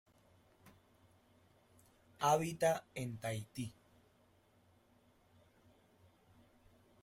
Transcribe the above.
Habita en Tahití.